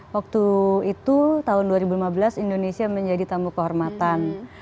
waktu itu tahun dua ribu lima belas indonesia menjadi tamu kehormatan